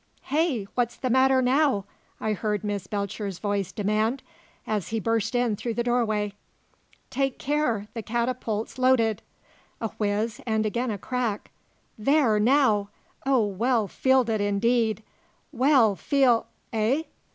"Hey! What's the matter now?" I heard Miss Belcher's voice demand, as he burst in through the doorway. "Take care, the catapult's loaded!" A whiz, and again a crack. "There now! Oh, well fielded, indeed! Well fiel Eh?